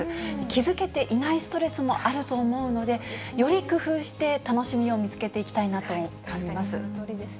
気付けていないストレスもあると思うので、より工夫して楽しみを見つけていきたいなと考えます。